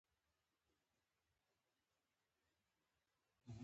دښمن ستا د ماتېدو هڅه کوي